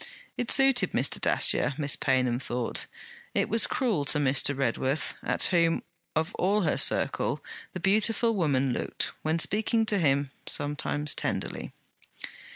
It suited Mr. Dacier, Miss Paynham thought: it was cruel to Mr. Redworth; at whom, of all her circle, the beautiful woman looked, when speaking to him, sometimes tenderly.